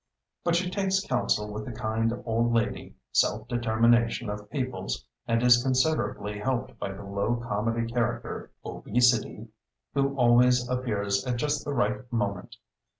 But she takes counsel with the kind old lady, Self Determination of Peoples, and is considerably helped by the low comedy character, Obesity, who always appears at just the right moment.